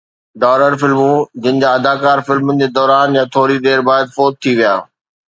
ڊارر فلمون جن جا اداڪار فلمن جي دوران يا ٿوري دير بعد فوت ٿي ويا